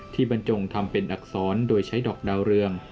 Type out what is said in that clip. บรรจงทำเป็นอักษรโดยใช้ดอกดาวเรือง